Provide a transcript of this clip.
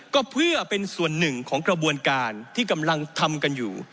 ก็เพื่อเป็นส่วนหนึ่งของกระบวนการที่กำลังทำกันอยู่